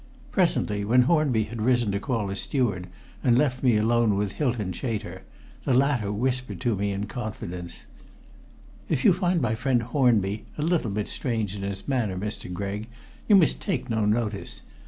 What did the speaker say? Presently, when Hornby had risen to call a steward and left me alone with Hylton Chater, the latter whispered to me in confidence "If you find my friend Hornby a little bit strange in his manner, Mr. Gregg, you must take no notice.